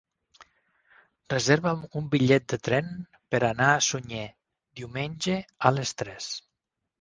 Reserva'm un bitllet de tren per anar a Sunyer diumenge a les tres.